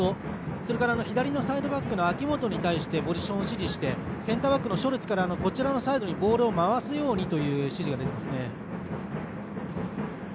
それから、左サイドバックの明本に対してポジションを指示してセンターバックのショルツからこちらサイドにボールを回すようにという指示が出ていますね。